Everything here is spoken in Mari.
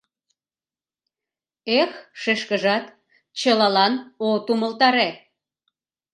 — Эх-х, шешкыжат, чылалан от умылтаре.